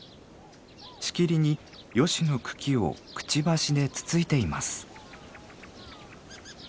しきりにヨシの茎をくちばしでつついています。